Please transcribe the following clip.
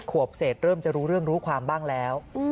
ขวบเศษเริ่มจะรู้เรื่องรู้ความบ้างแล้ว